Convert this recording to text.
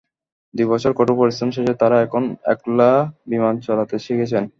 দুই বছরের কঠোর পরিশ্রম শেষে তাঁরা এখন একলা বিমান চালাতে শিখেছেন।